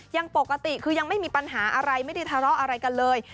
ยังปกติคือยังไม่มีปัญหาอะไรไม่ได้ทะเลาะอะไรกันเลย